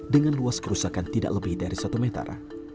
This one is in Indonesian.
dengan luas kerusakan tidak lebih dari satu meter